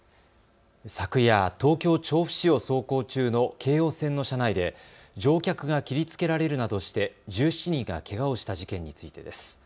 昨夜、東京調布市を走行中の京王線の車内で乗客が切りつけられるなどして１７人がけがをした事件についてです。